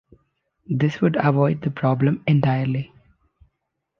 This would avoid the problem entirely.